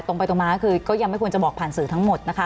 ตรงไปตรงมาคือก็ยังไม่ควรจะบอกผ่านสื่อทั้งหมดนะคะ